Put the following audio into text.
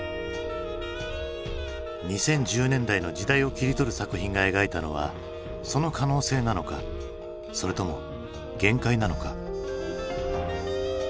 ２０１０年代の時代を切り取る作品が描いたのはその可能性なのかそれとも限界なのか。